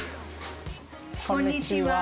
こんにちは。